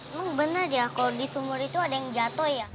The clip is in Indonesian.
emang benar ya kalau di sumur itu ada yang jatuh ya